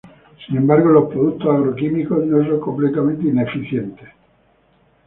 Sin embargo, los productos agroquímicos no son completamente ineficientes.